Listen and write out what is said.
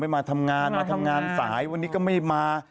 มาทำงานมาทำงานสายวันนี้ก็ไม่มา